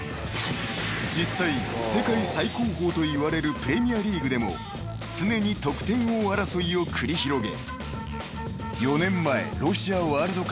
［実際世界最高峰といわれるプレミアリーグでも常に得点王争いを繰り広げ］